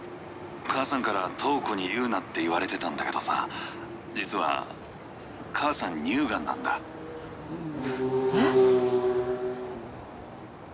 ☎母さんから瞳子に言うなって言われてたんだけどさ☎実は母さん☎乳がんなんだえっ！？